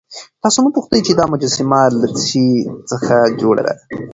تاسو مه پوښتئ چې دا مجسمه له څه شي څخه جوړه ده.